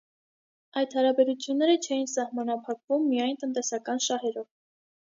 Այդ հարաբերությունները չէին սահմանափակվում միայն տնտեսական շահերով։